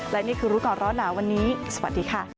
และนี่คือรู้ก่อนร้อนหนาวันนี้สวัสดีค่ะ